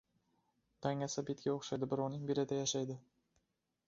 • Dangasa bitga o‘xshaydi: birovning belida yashaydi.